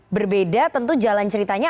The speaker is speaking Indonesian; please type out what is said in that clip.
berbeda tentu jalan ceritanya